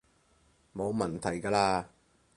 冇問題㗎喇